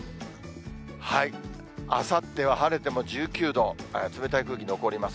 あさっては晴れても１９度、冷たい空気残ります。